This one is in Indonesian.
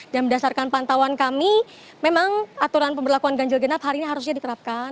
dan berdasarkan pantauan kami memang aturan pemberlakuan ganjil genap hari ini harusnya dikerapkan